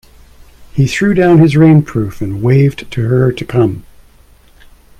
He threw down his rainproof and waved to her to come.